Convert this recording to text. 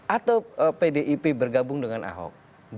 atau pdip bergabung dengan ahok